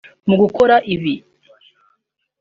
Mu gukora ibi